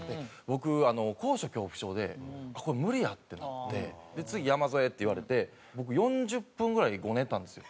僕高所恐怖症でこれ無理やってなって「次山添」って言われて僕４０分ぐらいゴネたんですよ。